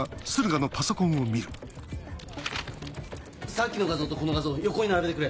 さっきの画像とこの画像横に並べてくれ。